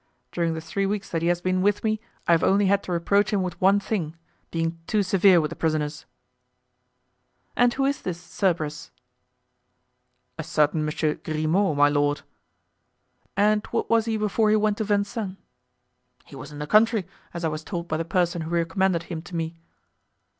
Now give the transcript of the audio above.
During the three weeks that he has been with me, I have only had to reproach him with one thing—being too severe with the prisoners." "And who is this Cerberus?" "A certain Monsieur Grimaud, my lord." "And what was he before he went to Vincennes?" "He was in the country, as I was told by the person who recommended him to me."